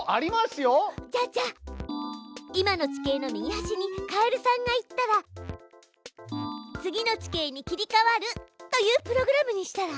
じゃあじゃあ今の地形の右はしにカエルさんが行ったら次の地形に切りかわるというプログラムにしたら？